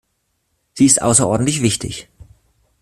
Sie ist außerordentlich wichtig.